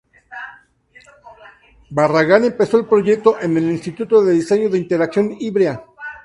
Barragán Empezó el proyecto en el Instituto de Diseño de la Interacción Ivrea.